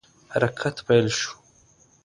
حرکت پیل شو.